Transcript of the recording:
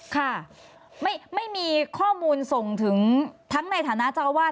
ค่ะไม่มีข้อมูลส่งถึงทั้งในฐานะเจ้าอาวาส